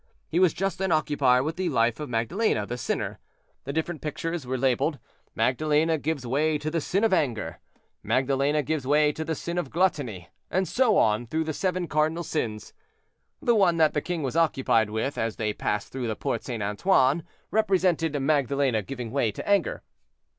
He was just then occupied with the life of Magdalene, the sinner. The different pictures were labeled "Magdalene gives way to the sin of anger"—"Magdalene gives way to the sin of gluttony," and so on through the seven cardinal sins. The one that the king was occupied with, as they passed through the Porte St. Antoine, represented Magdalene giving way to anger.